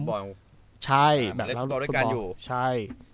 เล่นฟุตบอลด้วยการอยู่